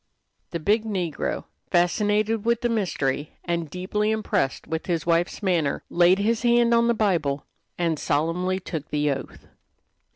The big negro, fascinated with the mystery, and deeply impressed with his wife's manner, laid his hand on the Bible and solemnly took the oath.